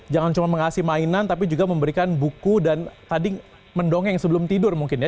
jangan cuma mengasih mainan tapi juga memberikan buku dan tadi mendongeng sebelum tidur mungkin ya